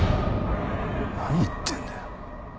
何言ってんだよ。